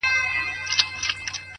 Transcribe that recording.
په دريو مياشتو كي به لاس درنه اره كړي٫